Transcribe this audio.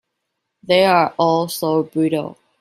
They are all so brittle!